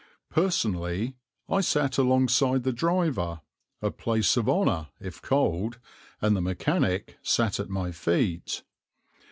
Personally, I sat alongside the driver, a place of honour, if cold, and the mechanic sat at my feet.